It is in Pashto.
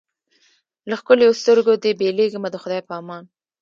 له ښکلیو سترګو دي بېلېږمه د خدای په امان